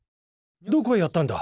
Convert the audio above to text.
どこへやったんだ。